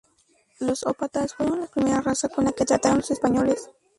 Los Ópatas fueron la primera raza con la que trataron los españoles.